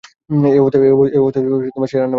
এই অবস্থাতেই সে রান্নাবান্না করল।